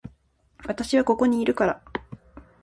私はここにいるから